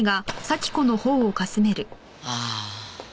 ああ。